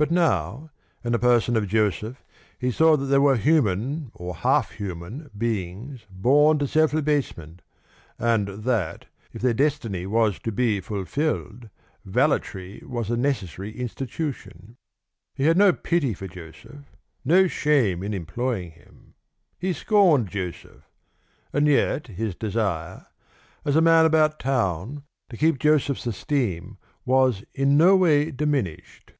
But now, in the person of Joseph, he saw that there were human or half human beings born to self abasement, and that, if their destiny was to be fulfilled, valetry was a necessary institution. He had no pity for Joseph, no shame in employing him. He scorned Joseph; and yet his desire, as a man about town, to keep Joseph's esteem was in no way diminished.